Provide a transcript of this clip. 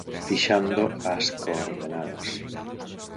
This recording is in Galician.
Fixando as coordenadas.